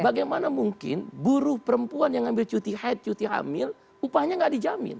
bagaimana mungkin buruh perempuan yang ambil cuti haid cuti hamil upahnya nggak dijamin